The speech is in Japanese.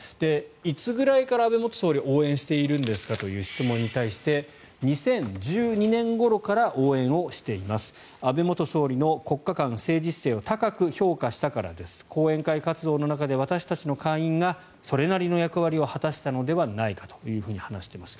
いつぐらいから、安倍元総理応援しているんですかという質問に対して２０１２年ごろから応援をしています安倍元総理の国家観、政治姿勢を高く評価したからです後援会活動の中で私たちの会員がそれなりの役割を果たしたのではないかと話しています。